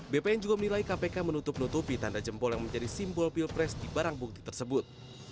bpn juga menilai kpk menutup nutupi tanda jempol yang menjadi simbol pilpres di barang bukti tersebut